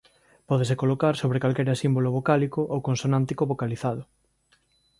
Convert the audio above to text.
Pódese colocar sobre calquera símbolo vocálico ou consonántico vocalizado.